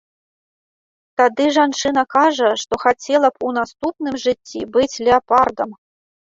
Тады жанчына кажа, што хацела б у наступным жыцці быць леапардам.